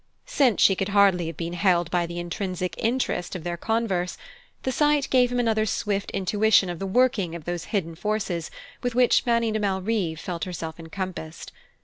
Since she could hardly have been held by the intrinsic interest of their converse, the sight gave him another swift intuition of the working of those hidden forces with which Fanny de Malrive felt herself encompassed.